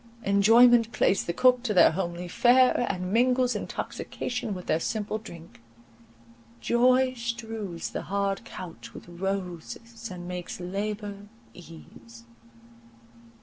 Enjoyment plays the cook to their homely fare, and mingles intoxication with their simple drink. Joy strews the hard couch with roses, and makes labour ease.